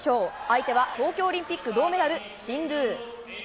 相手は東京オリンピック銅メダル、シンドゥ。